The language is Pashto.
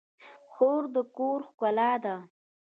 خور د کور ښکلا ده.